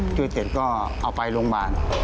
ช่วยเสร็จก็เอาไปโรงพยาบาล